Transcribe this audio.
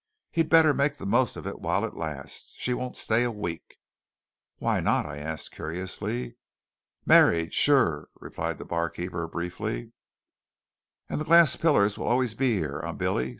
He'd better make the most of it while it lasts. She won't stay a week." "Why not?" I asked curiously. "Married; sure," replied the barkeeper briefly. "And the glass pillars will always be here; eh, Billy?"